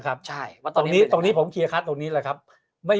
ครับใช่ว่าตรงนี้ตรงนี้ผมเคลียร์คัดตรงนี้แหละครับไม่